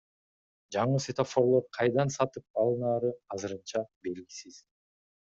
Жаңы светофорлор кайдан сатып алынаары азырынча белгисиз.